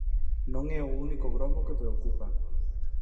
Non é o único gromo que preocupa.